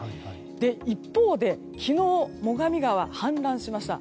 一方で、昨日最上川が氾濫しました。